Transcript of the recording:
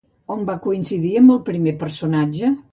On va coincidir amb el primer personatge?